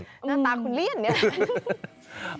หน้าตาคุณเลี่ยนนี่แหละ